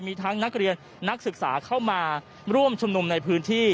มีทั้งนักเรียนนักศึกษาเข้ามาร่วมชุมนุมในพื้นที่